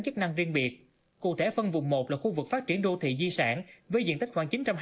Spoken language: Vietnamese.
chức năng riêng biệt cụ thể phân vùng một là khu vực phát triển đô thị di sản với diện tích khoảng